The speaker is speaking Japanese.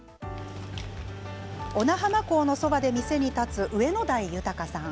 小名浜港のそばで店に立つ上野臺優さん。